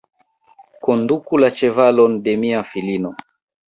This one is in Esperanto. Konduku la ĉevalon de mia filino.